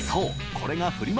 これがフリマ